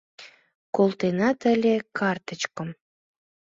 Колтенат ыле картычкым —